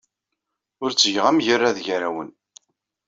Ur ttgeɣ amgerrad gar-awen.